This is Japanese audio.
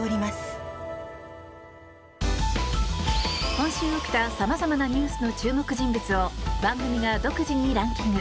今週起きたさまざまなニュースの注目人物を番組が独自にランキング。